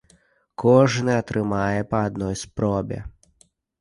Кожны атрымае па адной спробе.